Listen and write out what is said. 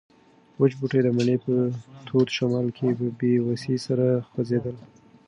وچ بوټي د مني په تود شمال کې په بې وسۍ سره خوځېدل.